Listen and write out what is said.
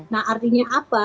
nah artinya apa